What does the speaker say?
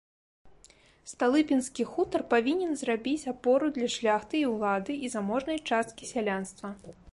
Сталыпінскі хутар павінен зрабіць апору для шляхты і ўлады і заможнай часткі сялянства.